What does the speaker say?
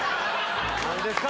何ですか？